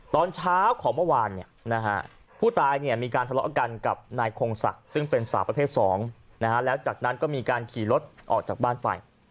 ตอนเช้าของเมื่อวานผู้ตายมีการทะเลาะกันกับนายคงศักดิ์ซึ่งเป็นสาวประเภท๒แล้วจากนั้นก็มีการขี่รถออกจากบ้านไป